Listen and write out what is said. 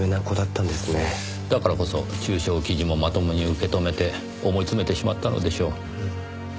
だからこそ中傷記事もまともに受け止めて思い詰めてしまったのでしょう。